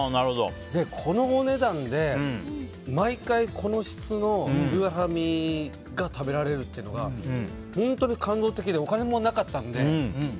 このお値段で、毎回この質の牛ハラミが食べられるっていうのが本当に感動的でお金もなかったので。